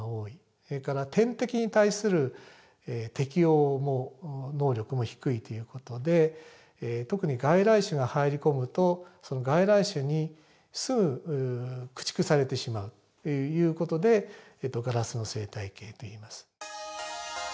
それから天敵に対する適応能力も低いという事で特に外来種が入り込むとその外来種にすぐ駆逐されてしまうという事でガラスの生態系といいます。